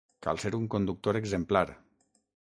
Cal ser un conductor exemplar.